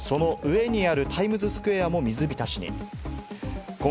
その上にあるタイムズスクエアも水浸しに。